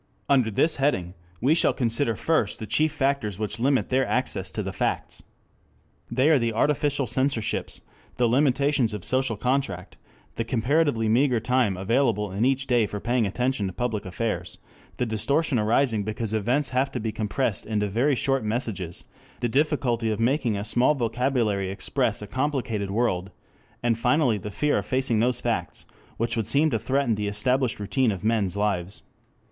Under this heading we shall consider first the chief factors which limit their access to the facts. They are the artificial censorships, the limitations of social contact, the comparatively meager time available in each day for paying attention to public affairs, the distortion arising because events have to be compressed into very short messages, the difficulty of making a small vocabulary express a complicated world, and finally the fear of facing those facts which would seem to threaten the established routine of men's lives.